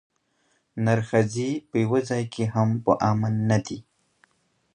نرښځي په یوه ځای کې هم په امن نه دي.